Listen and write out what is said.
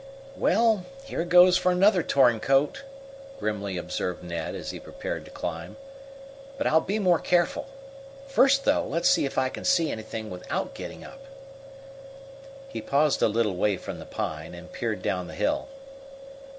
"Well, here goes for another torn coat," grimly observed Ned, as he prepared to climb. "But I'll be more careful. First, though, let's see if I can see anything without getting up." He paused a little way from the pine, and peered down the hill.